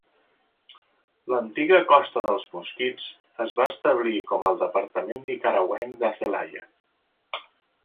L'antiga Costa dels Mosquits es va establir com el departament nicaragüenc de Zelaya.